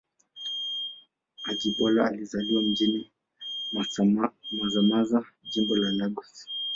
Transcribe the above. Ajibola alizaliwa mjini Mazamaza, Jimbo la Lagos.